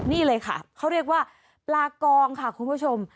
นี่เลยค่ะเขาเรียกว่าปลากองค่ะคุณผู้ชม